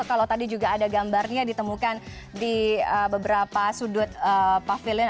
kalau tadi juga ada gambarnya ditemukan di beberapa sudut pavilion